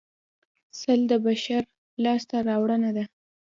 سل د بشر لاسته راوړنه ده